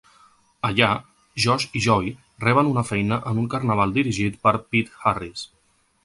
Allà, Josh i Joey reben una feina en un carnaval dirigit per Pete Harris.